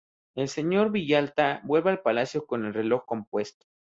El señor Villalta vuelve al Palacio con el reloj compuesto.